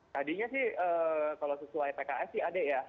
tadinya sih kalau sesuai pks sih ada ya